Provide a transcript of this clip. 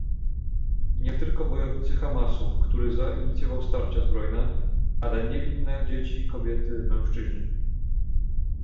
Nie tylko bojownicy Hamasu, który zainicjował starcia zbrojne, ale niewinne dzieci, kobiety, mężczyźni